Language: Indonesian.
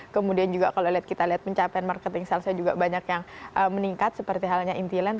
kemudian juga kalau kita lihat pencapaian marketing salesnya juga banyak yang meningkat seperti halnya intilan